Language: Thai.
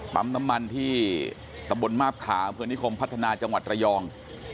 ปั๊มน้ำมันที่ตำบลมาบขาอำเภอนิคมพัฒนาจังหวัดระยอง